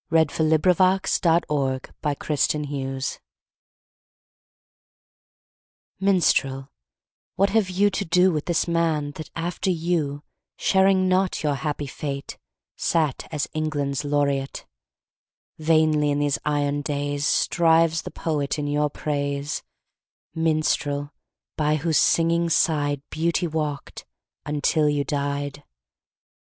TO A POET THAT DIED YOUNG Minstrel, what have you to do With this man that, after you, Sharing not your happy fate, Sat as England's Laureate? Vainly, in these iron days, Strives the poet in your praise, Minstrel, by whose singing side Beauty walked, until you died.